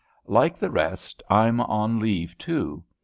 Like the rest I'm on leave too.